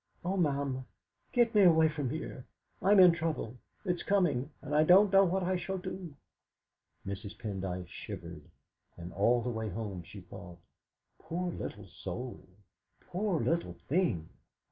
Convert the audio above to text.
"Oh, ma'am! Get me away from here! I'm in trouble it's comin', and I don't know what I shall do." Mrs. Pendyce shivered, and all the way home she thought: 'Poor little soul poor little thing!'